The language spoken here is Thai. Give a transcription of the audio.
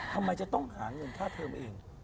ทำไมจะต้องหาเงินค่าเทอมเอง